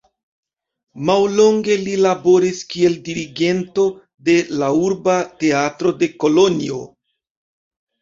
Mallonge li laboris kiel dirigento de la urba teatro de Kolonjo.